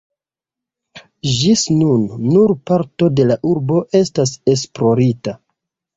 Ĝis nun, nur parto de la urbo estas esplorita.